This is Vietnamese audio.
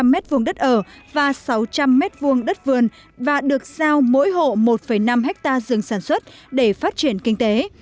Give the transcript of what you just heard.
bốn trăm linh m hai đất ở và sáu trăm linh m hai đất vườn và được giao mỗi hộ một năm ha dường sản xuất để phát triển kinh tế